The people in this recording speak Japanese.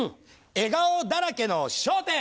笑顔だらけの『笑点』！